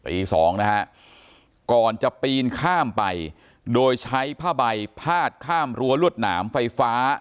อีกสองนะฮะก่อนจะปีนข้ามไปโดยใช้ผ้าใบพาดข้ามรั้วรวดหนามไฟฟ้า